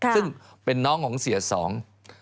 ซึ่งเป็นน้องของเสียสอง